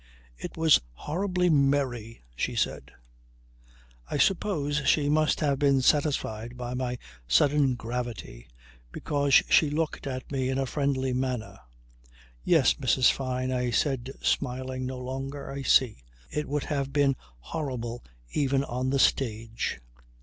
"It was horribly merry," she said. I suppose she must have been satisfied by my sudden gravity because she looked at me in a friendly manner. "Yes, Mrs. Fyne," I said, smiling no longer. "I see. It would have been horrible even on the stage."